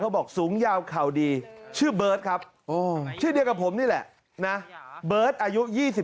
เขาบอกสูงยาวขาวดีชื่อเบิร์ดครับเบิร์ดอายุ๒๗ปี